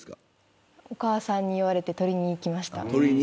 お母さんに言われて取りに行きました。